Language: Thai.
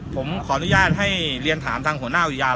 ผมขออนุญาตให้เรียนถามทางหัวหน้าอุทยาน